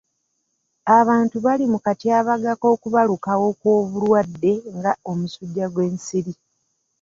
Abantu bali mu katyabaga k'okubalukawo kw'obulwadde nga omusujja gw'ensiri.